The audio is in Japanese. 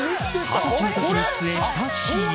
二十歳の時に出演したＣＭ。